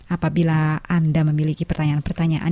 apabila anda memiliki pertanyaan pertanyaan